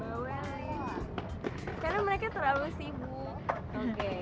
welly karena mereka terlalu sibuk